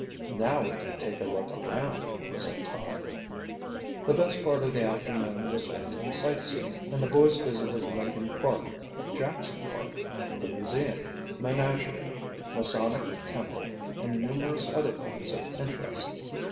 "Now we can take a look around," said Tom. The best part of the afternoon was spent in sight seeing, and the boys visited Lincoln Park, Jackson Park, the museum, menagerie, Masonic Temple, and numerous other points of interest.